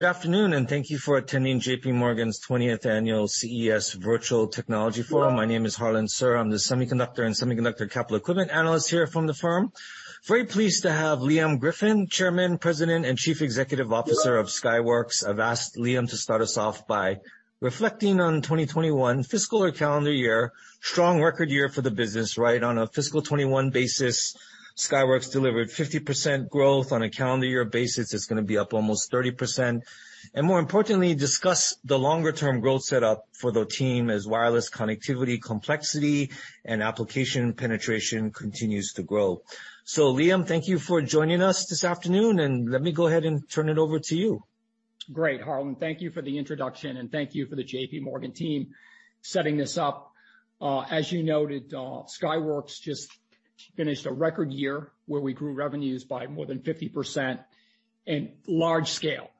Good afternoon, and thank you for attending JPMorgan's 20th annual CES Virtual Technology Forum. My name is Harlan Sur. I'm the semiconductor and semiconductor capital equipment analyst here from the firm. Very pleased to have Liam Griffin, Chairman, President, and Chief Executive Officer of Skyworks. I've asked Liam to start us off by reflecting on 2021 fiscal or calendar year, strong record year for the business, right? On a fiscal 2021 basis, Skyworks delivered 50% growth. On a calendar year basis, it's gonna be up almost 30%. More importantly, discuss the longer-term growth setup for the team as wireless connectivity, complexity, and application penetration continues to grow. Liam, thank you for joining us this afternoon, and let me go ahead and turn it over to you. Great, Harlan. Thank you for the introduction, and thank you for the JPMorgan team setting this up. As you noted, Skyworks just finished a record year where we grew revenues by more than 50% and large scale.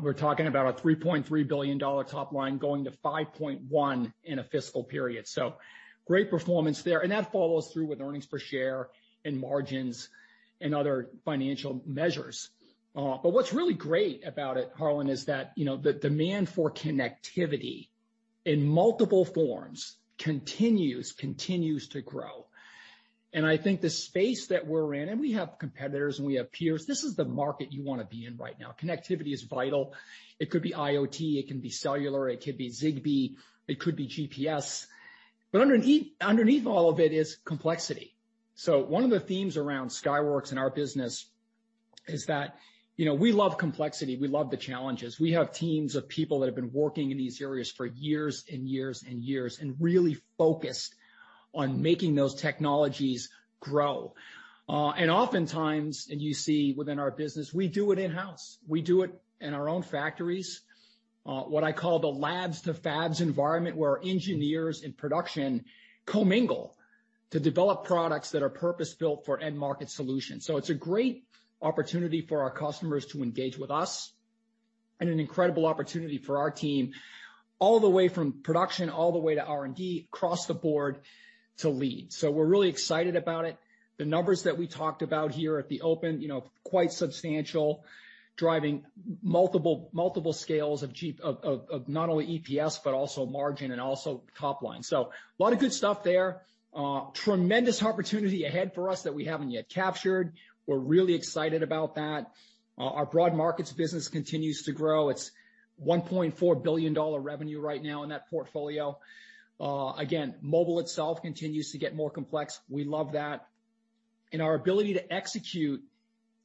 We're talking about a $3.3 billion top line going to $5.1 billion in a fiscal period. Great performance there, and that follows through with earnings per share and margins and other financial measures. But what's really great about it, Harlan, is that, you know, the demand for connectivity in multiple forms continues to grow. I think the space that we're in, and we have competitors and we have peers, this is the market you wanna be in right now. Connectivity is vital. It could be IoT, it can be cellular, it could be Zigbee, it could be GPS. Underneath all of it is complexity. One of the themes around Skyworks and our business is that, you know, we love complexity. We love the challenges. We have teams of people that have been working in these areas for years and years and years, and really focused on making those technologies grow. And oftentimes, you see within our business, we do it in-house. We do it in our own factories, what I call the labs to fabs environment, where engineers in production commingle to develop products that are purpose-built for end market solutions. It's a great opportunity for our customers to engage with us and an incredible opportunity for our team all the way from production all the way to R&D across the board to lead. We're really excited about it. The numbers that we talked about here at the open, quite substantial, driving multiple scales of not only EPS, but also margin and also top line. A lot of good stuff there. Tremendous opportunity ahead for us that we haven't yet captured. We're really excited about that. Our broad markets business continues to grow. It's $1.4 billion revenue right now in that portfolio. Again, mobile itself continues to get more complex. We love that. Our ability to execute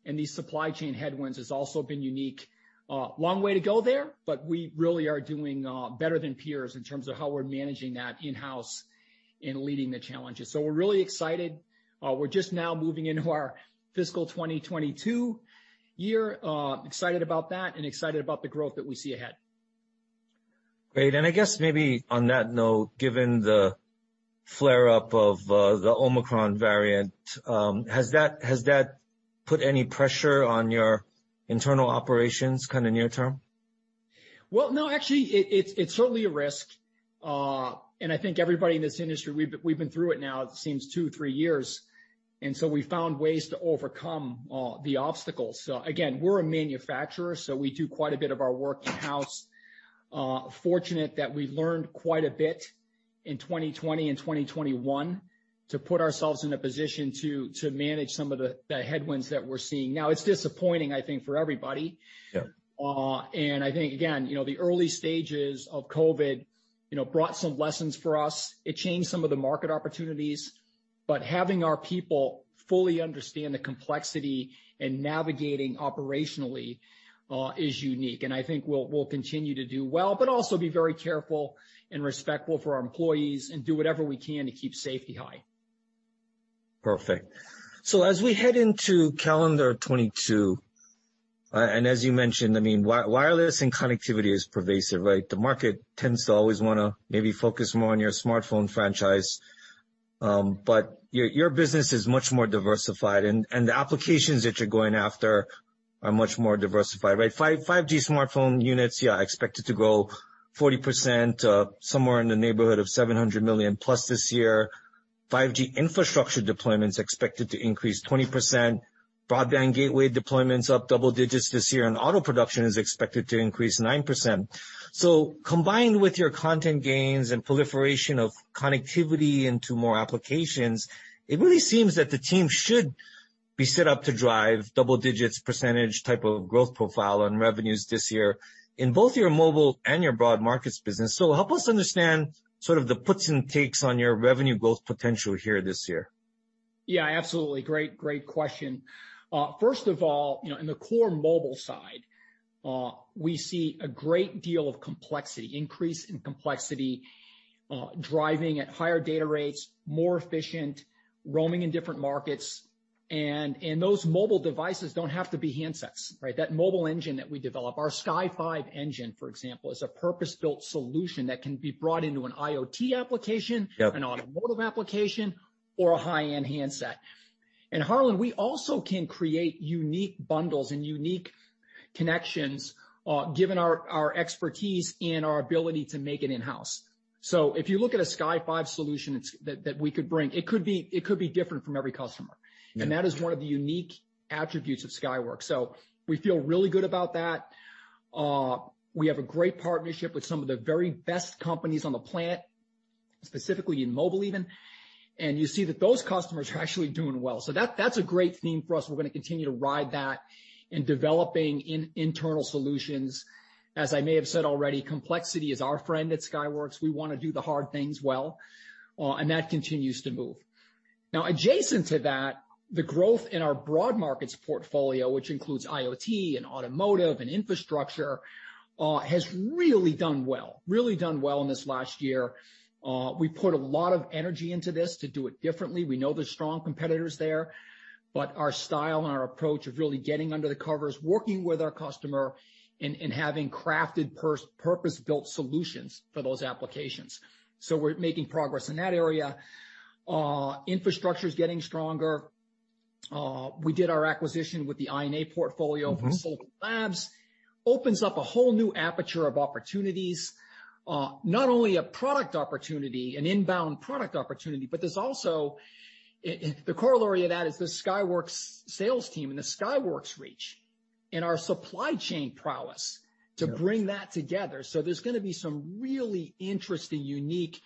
in these supply chain headwinds has also been unique. Long way to go there, but we really are doing better than peers in terms of how we're managing that in-house and leading the challenges. We're really excited. We're just now moving into our fiscal 2022 year. Excited about that and excited about the growth that we see ahead. Great. I guess maybe on that note, given the flare-up of the Omicron variant, has that put any pressure on your internal operations kind of near term? Well, no, actually, it's certainly a risk. I think everybody in this industry, we've been through it now it seems two, three years, and so we found ways to overcome the obstacles. Again, we're a manufacturer, so we do quite a bit of our work in-house. We're fortunate that we learned quite a bit in 2020 and 2021 to put ourselves in a position to manage some of the headwinds that we're seeing. Now, it's disappointing, I think, for everybody. Yeah. I think, again, you know, the early stages of COVID, you know, brought some lessons for us. It changed some of the market opportunities. Having our people fully understand the complexity and navigating operationally is unique. I think we'll continue to do well, but also be very careful and respectful for our employees and do whatever we can to keep safety high. Perfect. As we head into calendar 2022, and as you mentioned, I mean, wireless and connectivity is pervasive, right? The market tends to always wanna maybe focus more on your smartphone franchise, but your business is much more diversified, and the applications that you're going after are much more diversified, right? 5G smartphone units, yeah, expected to grow 40%, somewhere in the neighborhood of 700 million+ this year. 5G infrastructure deployments expected to increase 20%. Broadband gateway deployments up double digits this year, and auto production is expected to increase 9%. Combined with your content gains and proliferation of connectivity into more applications, it really seems that the team should be set up to drive double digits percentage type of growth profile on revenues this year in both your mobile and your broad markets business. Help us understand sort of the puts and takes on your revenue growth potential here this year. Yeah, absolutely. Great question. First of all, you know, in the core mobile side, we see a great deal of complexity driving at higher data rates, more efficient, roaming in different markets. Those mobile devices don't have to be handsets, right? That mobile engine that we develop, our Sky5 engine, for example, is a purpose-built solution that can be brought into an IoT application. Yep. In an automotive application, or a high-end handset. Harlan, we also can create unique bundles and unique connections, given our expertise and our ability to make it in-house. If you look at a Sky5 solution that we could bring, it could be different from every customer. Yeah. That is one of the unique attributes of Skyworks. We feel really good about that. We have a great partnership with some of the very best companies on the planet. Specifically in mobile even. You see that those customers are actually doing well. That, that's a great theme for us. We're gonna continue to ride that in developing internal solutions. As I may have said already, complexity is our friend at Skyworks. We wanna do the hard things well, and that continues to move. Now, adjacent to that, the growth in our broad markets portfolio, which includes IoT, and automotive, and infrastructure, has really done well in this last year. We put a lot of energy into this to do it differently. We know there's strong competitors there, but our style and our approach of really getting under the covers, working with our customer and having crafted purpose-built solutions for those applications. We're making progress in that area. Infrastructure's getting stronger. We did our acquisition with the I&A portfolio from Silicon Labs. Opens up a whole new aperture of opportunities. Not only a product opportunity, an inbound product opportunity, but there's also the corollary of that is the Skyworks sales team and the Skyworks reach and our supply chain prowess to bring that together. There's gonna be some really interesting, unique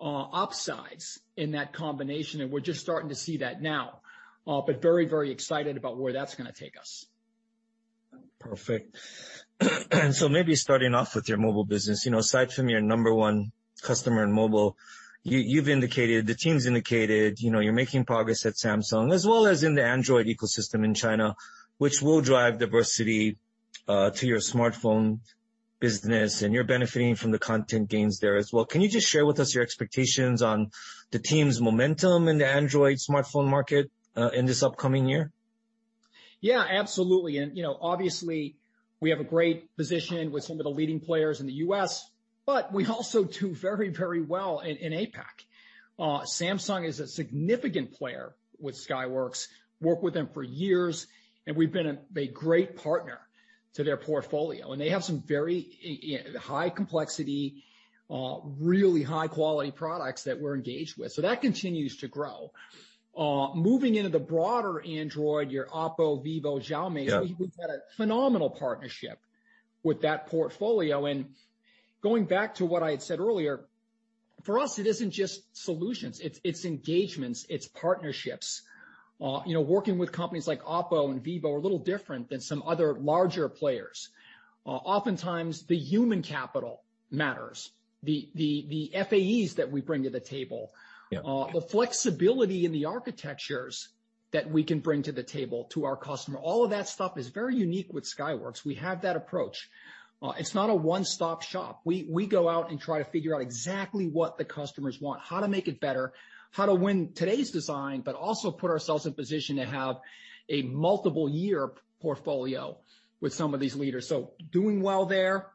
upsides in that combination, and we're just starting to see that now. We're very, very excited about where that's gonna take us. Perfect. Maybe starting off with your mobile business. You know, aside from your number one customer in mobile, you've indicated, the team's indicated, you know, you're making progress at Samsung as well as in the Android ecosystem in China, which will drive diversity to your smartphone business, and you're benefiting from the content gains there as well. Can you just share with us your expectations on the team's momentum in the Android smartphone market in this upcoming year? Yeah, absolutely. You know, obviously we have a great position with some of the leading players in the U.S., but we also do very, very well in APAC. Samsung is a significant player with Skyworks, worked with them for years, and we've been a great partner to their portfolio. They have some very, you know, high complexity, really high-quality products that we're engaged with. That continues to grow. Moving into the broader Android, OPPO, vivo, Xiaomi- Yeah. We've had a phenomenal partnership with that portfolio. Going back to what I had said earlier, for us it isn't just solutions, it's engagements, it's partnerships. You know, working with companies like OPPO and vivo are a little different than some other larger players. Oftentimes the human capital matters. The FAEs that we bring to the table. Yeah. The flexibility in the architectures that we can bring to the table to our customer. All of that stuff is very unique with Skyworks. We have that approach. It's not a one-stop shop. We go out and try to figure out exactly what the customers want, how to make it better, how to win today's design, but also put ourselves in position to have a multiple year portfolio with some of these leaders. Doing well there.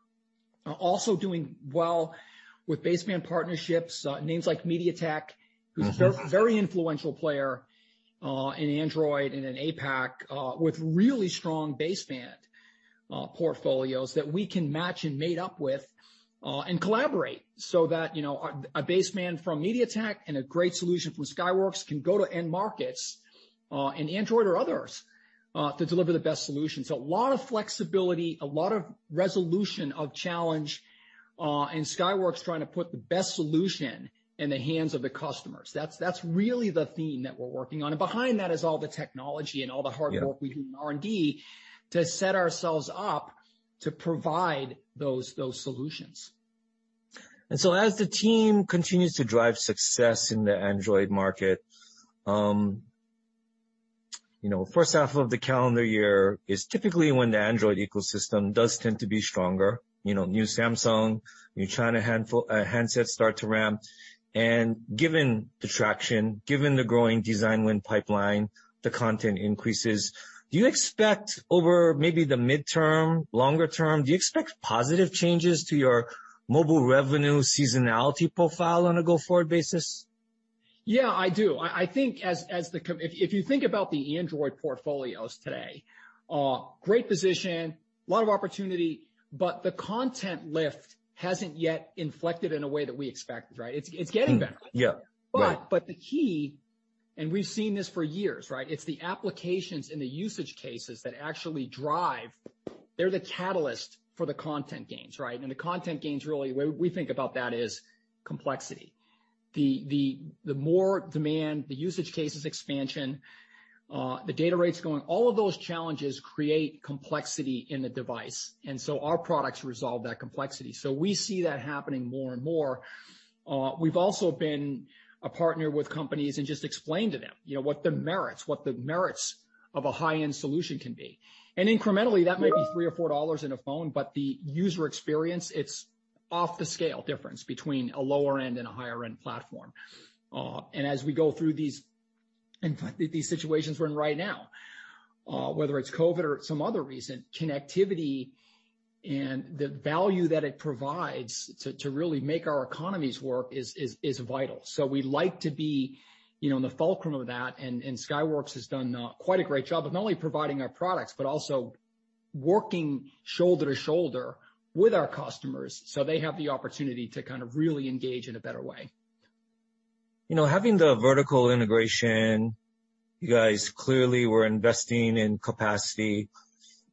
Also doing well with baseband partnerships, names like MediaTek- Mm-hmm. Who's a very influential player in Android and in APAC with really strong baseband portfolios that we can match and mate up with and collaborate so that, you know, a baseband from MediaTek and a great solution from Skyworks can go to end markets in Android or others to deliver the best solution. So a lot of flexibility, a lot of resolution of challenge and Skyworks trying to put the best solution in the hands of the customers. That's really the theme that we're working on. Behind that is all the technology and all the hard work. Yeah. We do in R&D to set ourselves up to provide those solutions. As the team continues to drive success in the Android market, you know, first half of the calendar year is typically when the Android ecosystem does tend to be stronger. You know, new Samsung, new Chinese handsets start to ramp. Given the traction, given the growing design win pipeline, the content increases, do you expect over maybe the midterm, longer term, do you expect positive changes to your mobile revenue seasonality profile on a go-forward basis? Yeah, I do. I think if you think about the Android portfolios today, great position, a lot of opportunity, but the content lift hasn't yet inflected in a way that we expected, right? It's getting better. Yeah. Right. The key, and we've seen this for years, right? It's the applications and the usage cases that actually drive. They're the catalyst for the content gains, right? The content gains the way we think about that is complexity. The more demand, the usage cases expansion, the data rates going, all of those challenges create complexity in the device, and our products resolve that complexity. We see that happening more and more. We've also been a partner with companies and just explained to them, you know, what the merits of a high-end solution can be. Incrementally, that may be $3 or $4 in a phone, but the user experience, it's off the scale difference between a lower end and a higher end platform. As we go through these, in fact, these situations we're in right now, whether it's COVID or some other reason, connectivity and the value that it provides to really make our economies work is vital. We like to be, you know, in the fulcrum of that, and Skyworks has done quite a great job of not only providing our products but also working shoulder to shoulder with our customers, so they have the opportunity to kind of really engage in a better way. You know, having the vertical integration, you guys clearly were investing in capacity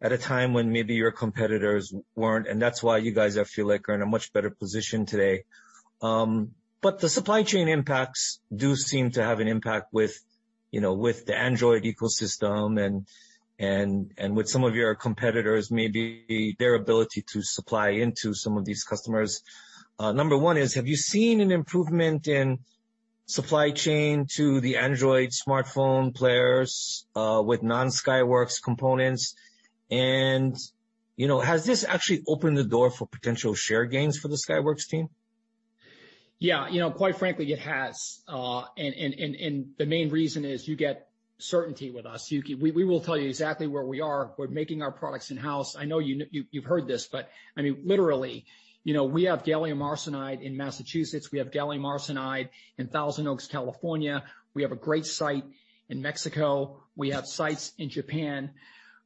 at a time when maybe your competitors weren't, and that's why you guys, I feel like, are in a much better position today. The supply chain impacts do seem to have an impact with, you know, with the Android ecosystem and with some of your competitors, maybe their ability to supply into some of these customers. Number one, have you seen an improvement in supply chain to the Android smartphone players with non-Skyworks components? You know, has this actually opened the door for potential share gains for the Skyworks team? Yeah. You know, quite frankly, it has. The main reason is you get certainty with us. We will tell you exactly where we are. We're making our products in-house. I know you've heard this, but I mean, literally, you know, we have gallium arsenide in Massachusetts. We have gallium arsenide in Thousand Oaks, California. We have a great site in Mexico. We have sites in Japan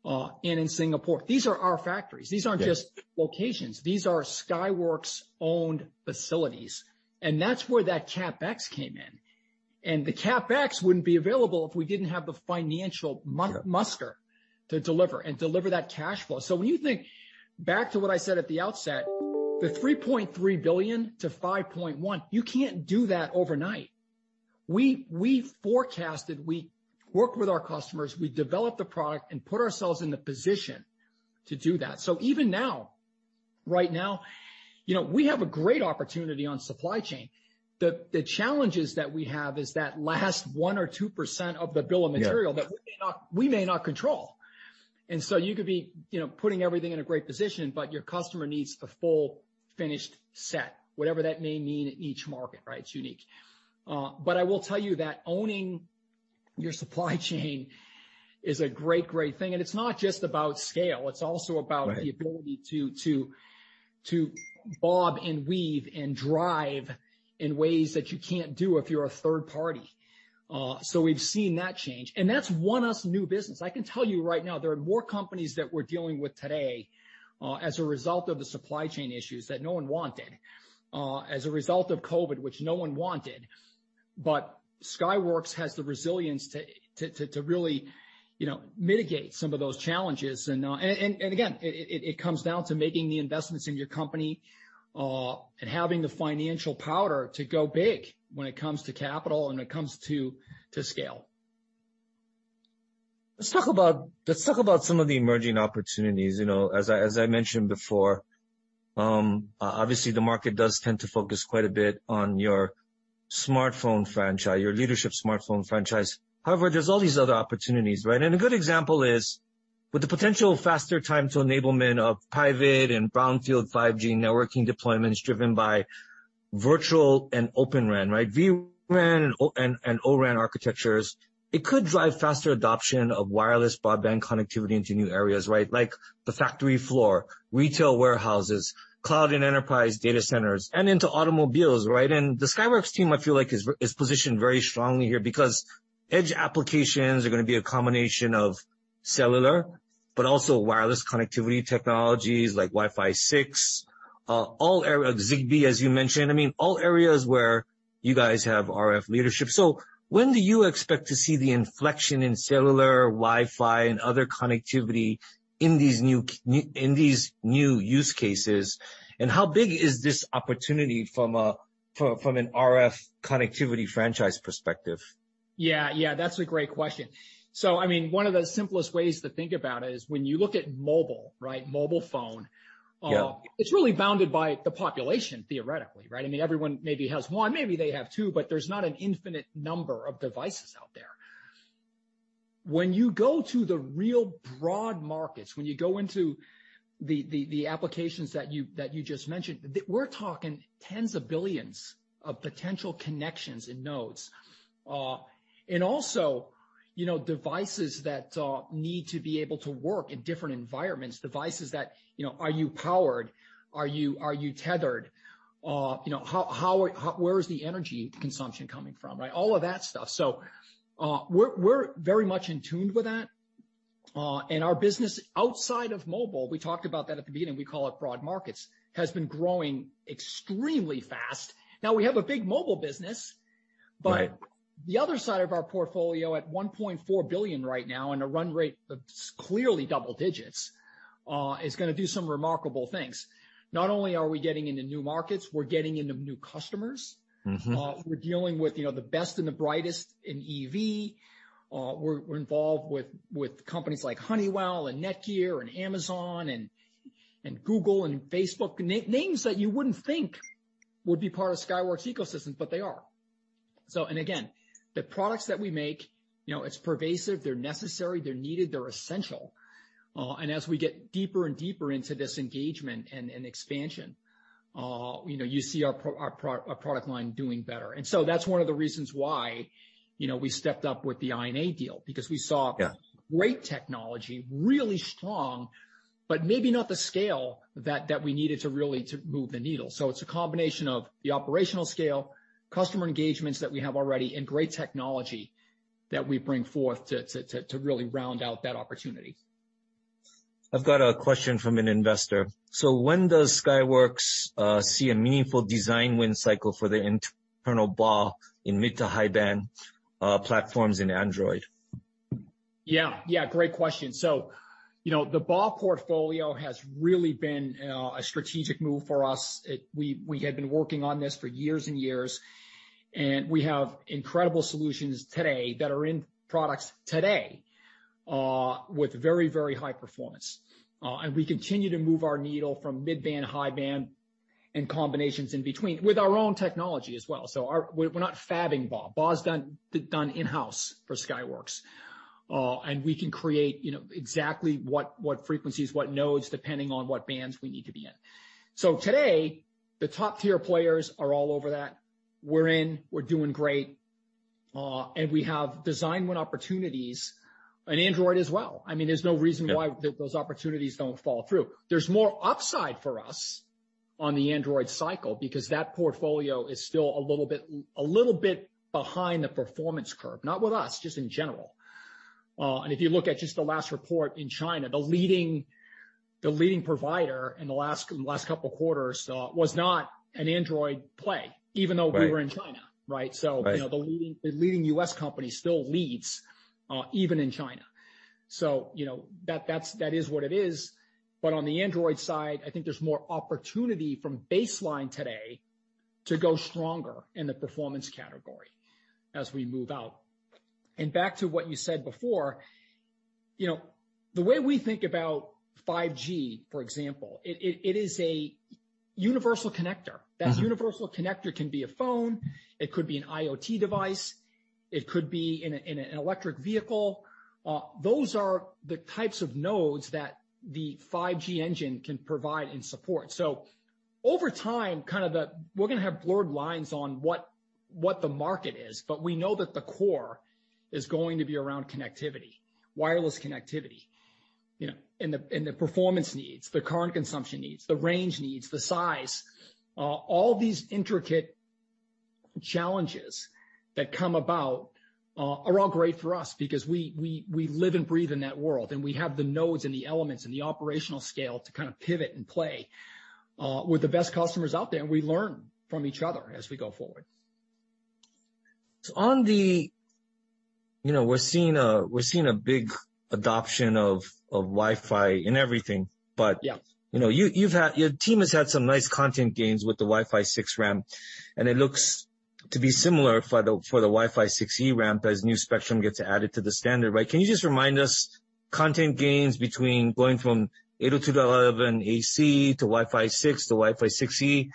and in Singapore. These are our factories. These aren't just. Yeah. locations. These are Skyworks-owned facilities, and that's where that CapEx came in. The CapEx wouldn't be available if we didn't have the financial muscle to deliver that cash flow. When you think back to what I said at the outset, the $3.3 billion-$5.1 billion, you can't do that overnight. We forecasted, we worked with our customers, we developed the product and put ourselves in the position to do that. Even now, right now, you know, we have a great opportunity on supply chain. The challenges that we have is that last 1%-2% of the bill of material. Yeah. that we may not control. You could be, you know, putting everything in a great position, but your customer needs a full finished set, whatever that may mean in each market, right? It's unique. I will tell you that owning your supply chain is a great thing. It's not just about scale, it's also about- Right. the ability to bob and weave and drive in ways that you can't do if you're a third party. We've seen that change, and that's won us new business. I can tell you right now there are more companies that we're dealing with today, as a result of the supply chain issues that no one wanted, as a result of COVID, which no one wanted. Skyworks has the resilience to really, you know, mitigate some of those challenges. Again, it comes down to making the investments in your company, and having the financial powder to go big when it comes to capital and it comes to scale. Let's talk about some of the emerging opportunities. You know, as I mentioned before, obviously the market does tend to focus quite a bit on your smartphone franchise, your leadership smartphone franchise. However, there's all these other opportunities, right? A good example is with the potential faster time to enablement of private and brownfield 5G networking deployments driven by vRAN and Open RAN, right? vRAN and O-RAN architectures could drive faster adoption of wireless broadband connectivity into new areas, right? Like the factory floor, retail warehouses, cloud and enterprise data centers, and into automobiles, right? The Skyworks team, I feel like, is positioned very strongly here because edge applications are gonna be a combination of cellular, but also wireless connectivity technologies like Wi-Fi 6, Zigbee, as you mentioned. I mean all areas where you guys have RF leadership. When do you expect to see the inflection in cellular, Wi-Fi and other connectivity in these new use cases, and how big is this opportunity from an RF connectivity franchise perspective? Yeah. Yeah, that's a great question. I mean, one of the simplest ways to think about it is when you look at mobile, right? Mobile phone. Yeah. It's really bounded by the population theoretically, right? I mean, everyone maybe has one, maybe they have two, but there's not an infinite number of devices out there. When you go to the real broad markets, when you go into the applications that you just mentioned, we're talking tens of billions of potential connections and nodes. And also, you know, devices that need to be able to work in different environments. Devices that, you know, are they powered? Are they tethered? You know, where is the energy consumption coming from, right? All of that stuff. We're very much in tune with that. Our business outside of mobile, we talked about that at the beginning, we call it broad markets, has been growing extremely fast. Now we have a big mobile business. Right. The other side of our portfolio at $1.4 billion right now and a run rate of clearly double digits is gonna do some remarkable things. Not only are we getting into new markets, we're getting into new customers. Mm-hmm. We're dealing with, you know, the best and the brightest in EV. We're involved with companies like Honeywell and NETGEAR and Amazon and Google and Facebook. Names that you wouldn't think would be part of Skyworks ecosystem, but they are. Again, the products that we make, you know, it's pervasive, they're necessary, they're needed, they're essential. As we get deeper and deeper into this engagement and expansion, you know, you see our product line doing better. That's one of the reasons why, you know, we stepped up with the I&A deal because we saw- Yeah. Great technology, really strong, but maybe not the scale that we needed to really move the needle. It's a combination of the operational scale, customer engagements that we have already and great technology that we bring forth to really round out that opportunity. I've got a question from an investor. When does Skyworks see a meaningful design win cycle for the internal BAW in mid to high-band platforms in Android? Yeah. Great question. You know, the BAW portfolio has really been a strategic move for us. We had been working on this for years and years, and we have incredible solutions today that are in products today with very high performance. We continue to move our needle from mid-band, high band and combinations in between with our own technology as well. We're not fabbing BAW. BAW is done in-house for Skyworks. We can create, you know, exactly what frequencies, what nodes, depending on what bands we need to be in. Today, the top-tier players are all over that. We're doing great, and we have design win opportunities in Android as well. I mean, there's no reason why those opportunities don't fall through. There's more upside for us on the Android cycle because that portfolio is still a little bit behind the performance curve. Not with us, just in general. If you look at just the last report in China, the leading provider in the last couple of quarters was not an Android play even though Right. We were in China, right? Right. You know, the leading U.S. company still leads even in China. You know, that is what it is. On the Android side, I think there's more opportunity from baseline today to go stronger in the performance category as we move out. Back to what you said before, you know, the way we think about 5G, for example, it is a universal connector. Mm-hmm. That universal connector can be a phone, it could be an IoT device, it could be in an electric vehicle. Those are the types of nodes that the 5G engine can provide and support. Over time, we're gonna have blurred lines on what the market is, but we know that the core is going to be around connectivity, wireless connectivity, you know, and the performance needs, the current consumption needs, the range needs, the size. All these intricate challenges that come about are all great for us because we live and breathe in that world, and we have the nodes and the elements and the operational scale to kind of pivot and play with the best customers out there, and we learn from each other as we go forward. You know, we're seeing a big adoption of Wi-Fi in everything, but your team has had some nice content gains with the Wi-Fi 6 eFEM, and it looks to be similar for the Wi-Fi 6E eFEM as new spectrum gets added to the standard, right? Can you just remind us of the content gains between going from 802.11ac to Wi-Fi 6 to Wi-Fi 6E?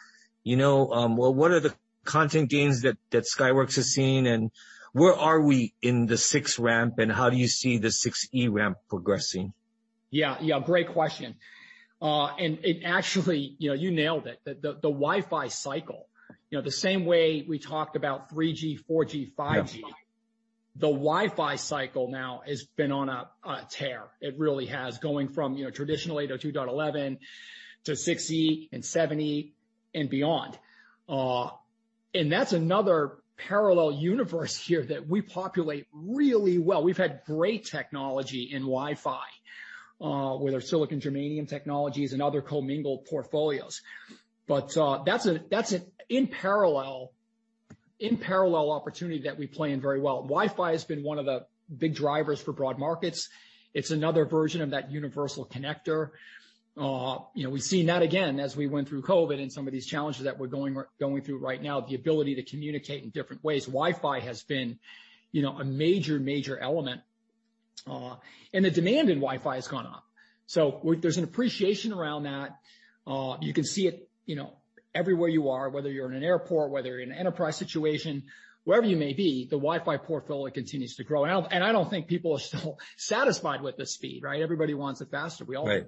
You know, what are the content gains that Skyworks has seen, and where are we in the 6 eFEM, and how do you see the 6E eFEM progressing? Yeah, yeah. Great question. It actually, you know, you nailed it. The Wi-Fi cycle, you know, the same way we talked about 3G, 4G, 5G. Yeah. The Wi-Fi cycle now has been on a tear. It really has, going from, you know, traditional 802.11 to Wi-Fi 6E and Wi-Fi 7 and beyond. That's another parallel universe here that we populate really well. We've had great technology in Wi-Fi with our silicon germanium technologies and other commingled portfolios. That's an in parallel opportunity that we play in very well. Wi-Fi has been one of the big drivers for broad markets. It's another version of that universal connector. You know, we've seen that again as we went through COVID and some of these challenges that we're going through right now, the ability to communicate in different ways. Wi-Fi has been, you know, a major element. The demand in Wi-Fi has gone up. There's an appreciation around that. You can see it, you know, everywhere you are, whether you're in an airport, whether you're in an enterprise situation. Wherever you may be, the Wi-Fi portfolio continues to grow. I don't think people are still satisfied with the speed, right? Everybody wants it faster. We all do.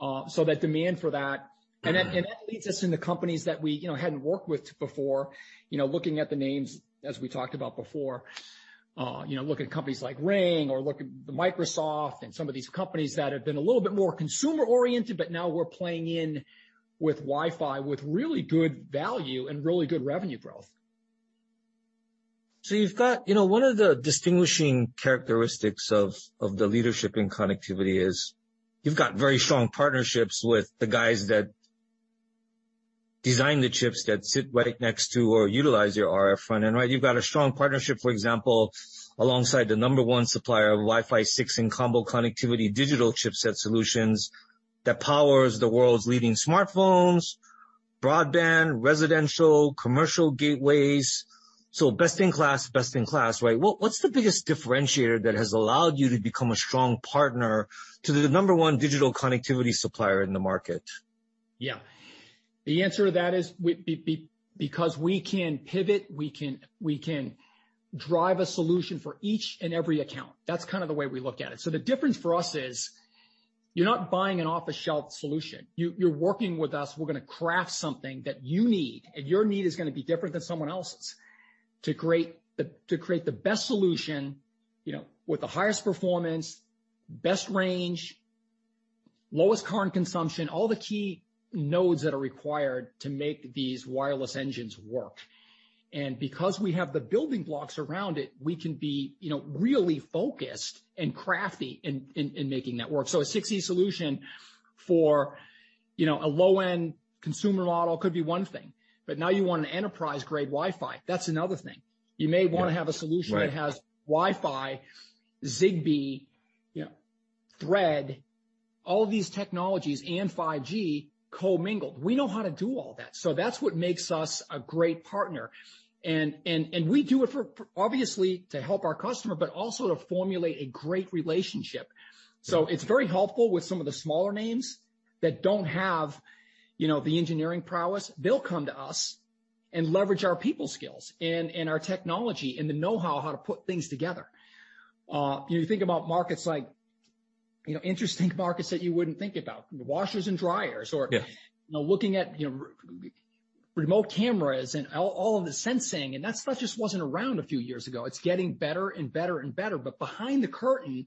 Right. The demand for that. Mm-hmm. That leads us into companies that we, you know, hadn't worked with before. You know, looking at the names as we talked about before, you know, look at companies like Ring or look at Microsoft and some of these companies that have been a little bit more consumer-oriented, but now we're playing in with Wi-Fi with really good value and really good revenue growth. You know, one of the distinguishing characteristics of the leadership in connectivity is you've got very strong partnerships with the guys that design the chips that sit right next to or utilize your RF front end, right? You've got a strong partnership, for example, alongside the number one supplier of Wi-Fi 6 and combo connectivity digital chipset solutions that powers the world's leading smartphones, broadband, residential, commercial gateways. Best in class, right? What's the biggest differentiator that has allowed you to become a strong partner to the number one digital connectivity supplier in the market? Yeah. The answer to that is because we can pivot, we can drive a solution for each and every account. That's kind of the way we look at it. The difference for us is you're not buying an off-the-shelf solution. You're working with us. We're gonna craft something that you need, and your need is gonna be different than someone else's, to create the best solution, you know, with the highest performance, best range, lowest current consumption, all the key nodes that are required to make these wireless engines work. And because we have the building blocks around it, we can be, you know, really focused and crafty in making that work. A Wi-Fi 6E solution for, you know, a low-end consumer model could be one thing, but now you want an enterprise-grade Wi-Fi, that's another thing. Yeah. You may wanna have a solution. Right. That has Wi-Fi, Zigbee, you know, Thread, all of these technologies and 5G commingled. We know how to do all that. That's what makes us a great partner. We do it for obviously, to help our customer, but also to formulate a great relationship. It's very helpful with some of the smaller names that don't have, you know, the engineering prowess. They'll come to us and leverage our people skills and our technology and the know-how to put things together. You think about markets like, you know, interesting markets that you wouldn't think about. Washers and dryers or- Yeah. You know, looking at, you know, remote cameras and all of the sensing, and that stuff just wasn't around a few years ago. It's getting better and better, but behind the curtain,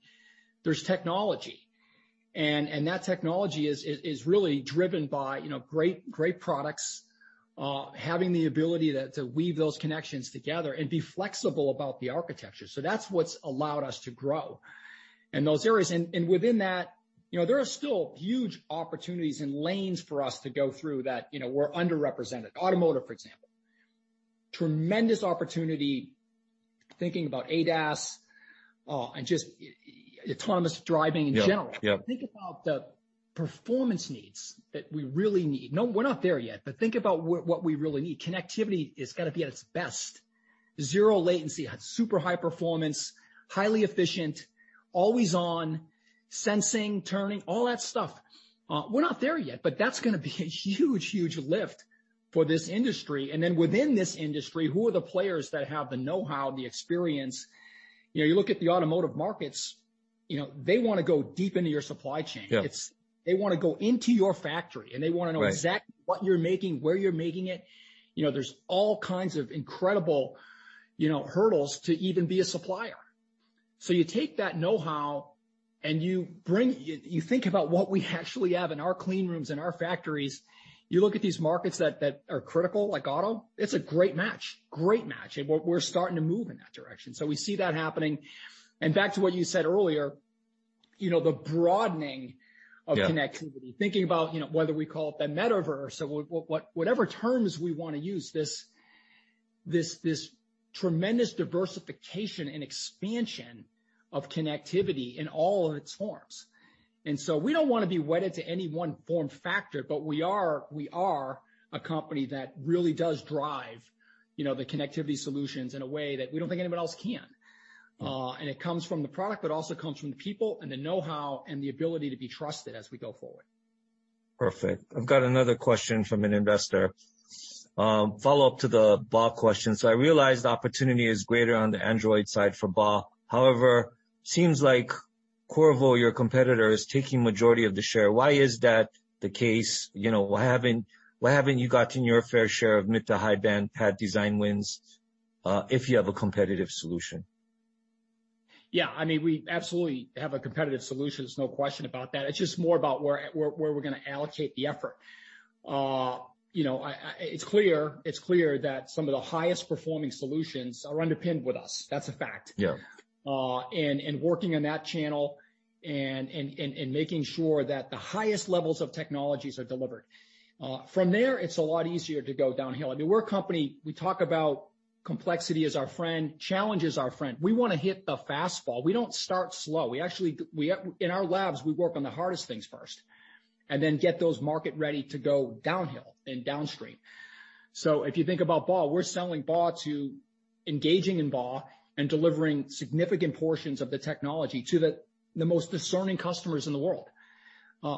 there's technology. That technology is really driven by, you know, great products, having the ability to weave those connections together and be flexible about the architecture. That's what's allowed us to grow in those areas. Within that, you know, there are still huge opportunities and lanes for us to go through that, you know, we're underrepresented. Automotive, for example. Tremendous opportunity thinking about ADAS and just autonomous driving in general. Yeah, yeah. Think about the performance needs that we really need. No, we're not there yet, but think about what we really need. Connectivity has gotta be at its best. Zero latency, super high performance, highly efficient, always on, sensing, turning, all that stuff. We're not there yet, but that's gonna be a huge lift for this industry. Then within this industry, who are the players that have the know-how, the experience? You know, you look at the automotive markets, you know, they wanna go deep into your supply chain. Yeah. They wanna go into your factory, and they wanna know. Right. Exactly what you're making, where you're making it. You know, there's all kinds of incredible, you know, hurdles to even be a supplier. You take that know-how and you bring. You think about what we actually have in our clean rooms and our factories. You look at these markets that are critical, like auto, it's a great match. Great match. We're starting to move in that direction. We see that happening. Back to what you said earlier, you know, the broadening of connectivity. Yeah. Thinking about, you know, whether we call it the metaverse or what, whatever terms we wanna use, this tremendous diversification and expansion of connectivity in all of its forms. We don't wanna be wedded to any one form factor, but we are a company that really does drive, you know, the connectivity solutions in a way that we don't think anyone else can. It comes from the product, but also comes from the people and the know-how and the ability to be trusted as we go forward. Perfect. I've got another question from an investor. Follow-up to the BAW question. I realize the opportunity is greater on the Android side for BAW. However, seems like Qorvo, your competitor, is taking majority of the share. Why is that the case? You know, why haven't you gotten your fair share of mid to high-band PAMiD design wins, if you have a competitive solution? Yeah. I mean, we absolutely have a competitive solution. There's no question about that. It's just more about where we're gonna allocate the effort. You know, it's clear that some of the highest performing solutions are underpinned with us. That's a fact. Yeah. Working on that channel and making sure that the highest levels of technologies are delivered. From there, it's a lot easier to go downhill. I mean, we're a company, we talk about complexity as our friend, challenge as our friend. We wanna hit the fastball. We don't start slow. In our labs, we work on the hardest things first, and then get those to market ready to go downhill and downstream. If you think about BAW, we're selling BAW, too, engaging in BAW and delivering significant portions of the technology to the most discerning customers in the world.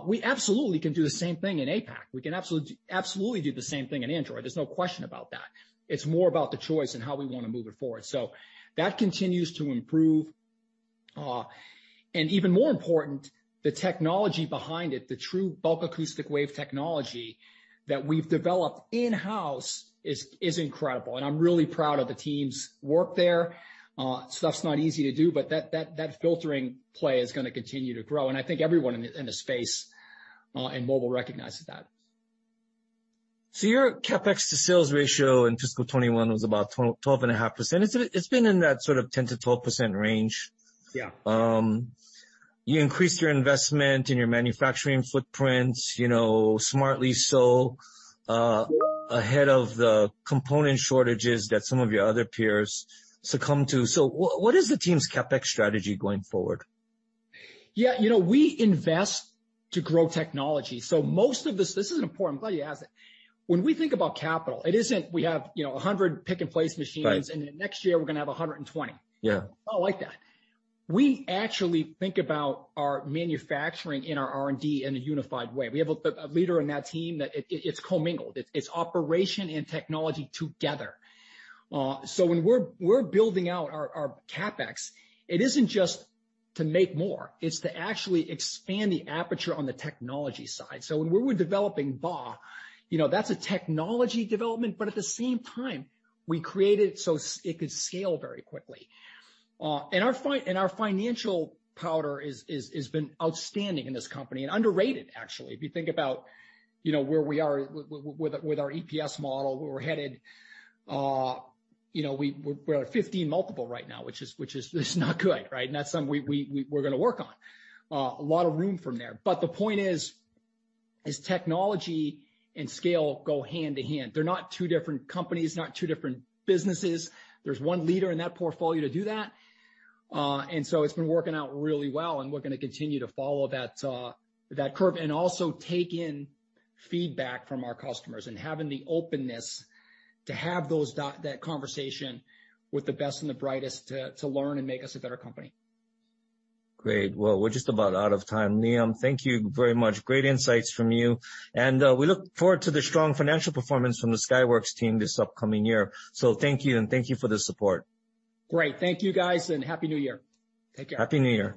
We absolutely can do the same thing in APAC. We can absolutely do the same thing in Android. There's no question about that. It's more about the choice and how we wanna move it forward. That continues to improve. Even more important, the technology behind it, the true bulk acoustic wave technology that we've developed in-house is incredible. I'm really proud of the team's work there. That's not easy to do, but that filtering play is gonna continue to grow. I think everyone in the space in mobile recognizes that. Your CapEx to sales ratio in fiscal 2021 was about 12.5%. It's been in that sort of 10%-12% range. Yeah. You increased your investment in your manufacturing footprint, you know, smartly so, ahead of the component shortages that some of your other peers succumbed to. What is the team's CapEx strategy going forward? Yeah. You know, we invest to grow technology. Most of this is important. I'm glad you asked it. When we think about capital, it isn't we have, you know, 100 pick-and-place machines. Right. Next year, we're gonna have 120. Yeah. It's not like that. We actually think about our manufacturing and our R&D in a unified way. We have a leader in that team that it's commingled. It's operation and technology together. When we're building out our CapEx, it isn't just to make more, it's to actually expand the aperture on the technology side. When we were developing BAW, you know, that's a technology development, but at the same time, we created it so it could scale very quickly. Our financial powder has been outstanding in this company, and underrated, actually. If you think about, you know, where we are with our EPS model, where we're headed, you know, we're at a 15x multiple right now, which is not good, right? That's something we're gonna work on. A lot of room from there. The point is technology and scale go hand-in-hand. They're not two different companies, not two different businesses. There's one leader in that portfolio to do that. It's been working out really well, and we're gonna continue to follow that curve, and also take in feedback from our customers and having the openness to have that conversation with the best and the brightest to learn and make us a better company. Great. Well, we're just about out of time. Liam, thank you very much. Great insights from you. We look forward to the strong financial performance from the Skyworks team this upcoming year. Thank you, and thank you for the support. Great. Thank you, guys, and happy New Year. Take care. Happy New Year.